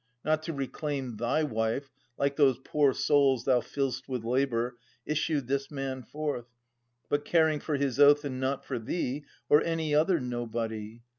Not to reclaim thy wife, like those poor souls Thou fill'st with labour, issued this man forth. But caring for his oath, and not for thee, Or any other nobody.